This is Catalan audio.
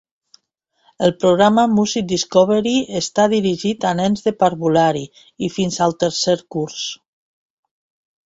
El programa Music Discovery està dirigit a nens de parvulari i fins al tercer curs.